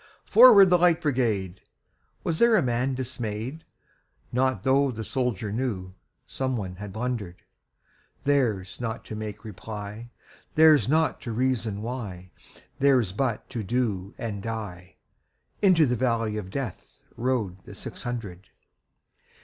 "Forward, the Light Brigade!"Was there a man dismay'd? Not tho' the soldier knewSome one had blunder'd:Theirs not to make reply, Theirs not to reason why, Theirs but to do and die:Into the valley of DeathRode the six hundred.